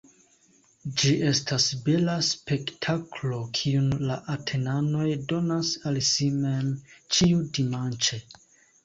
Ĝi estas bela spektaklo, kiun la Atenanoj donas al si mem ĉiudimanĉe.